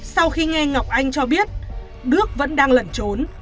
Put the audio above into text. sau khi nghe ngọc anh cho biết đức vẫn đang lẩn trốn